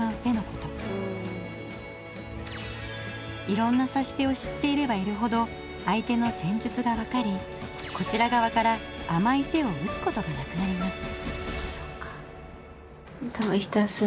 いろんな指し手を知っていればいるほど相手の戦術が分かりこちら側から甘い手を打つことがなくなります。